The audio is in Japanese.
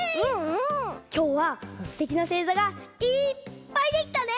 きょうはすてきなせいざがいっぱいできたね。